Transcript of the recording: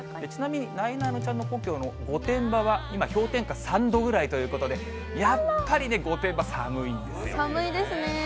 ちなみに、なえなのちゃんの故郷の御殿場は、今氷点下３度ぐらいということで、やっぱりね、御殿場、寒いんですよね。